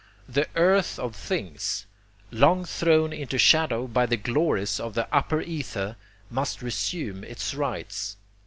The earth of things, long thrown into shadow by the glories of the upper ether, must resume its rights.